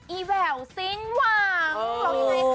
อิแววซิ้งหวัง